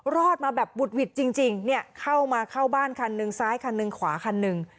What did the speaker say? รอดมาแบบบุดหวิดจริงเนี่ยเข้ามาเข้าบ้านคันหนึ่งซ้ายคันหนึ่งขวาคันหนึ่ง